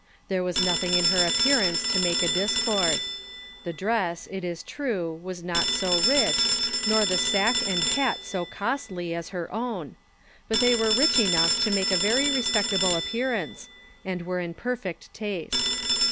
There was nothing in her appearance to make a discord. The dress, it is true, was not so rich, nor the sack and hat so costly, as her own, but they were rich enough to make a very respectable appearance, and were in perfect taste.